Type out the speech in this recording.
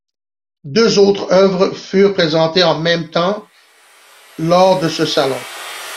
Deux autres œuvres furent présentées en même temps lors de ce salon.